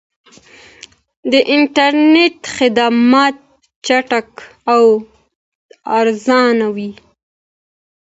د انټرنیټ خدمات چټک او ارزانه وي.